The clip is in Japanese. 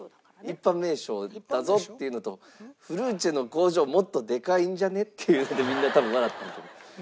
一般名称だぞっていうのとフルーチェの工場もっとでかいんじゃねっていうのでみんな多分笑ったんやと。